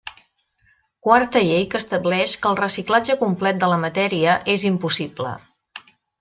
Quarta llei que estableix que el reciclatge complet de la matèria és impossible.